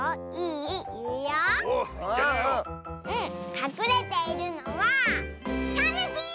かくれているのはタヌキ！